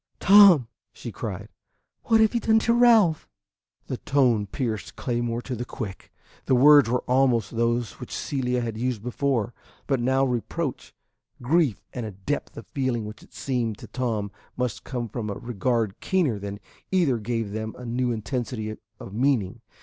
"Tom," she cried, "what have you done to Ralph?" The tone pierced Claymore to the quick. The words were almost those which Celia had used before, but now reproach, grief, and a depth of feeling which it seemed to Tom must come from a regard keener than either gave them a new intensity of meaning.